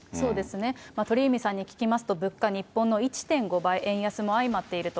鳥海さんに聞きますと、物価、日本の１．５倍、円安も相まっていると。